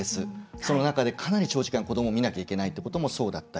その中でかなり長時間子どもを見なければいけないというのもそうだったり。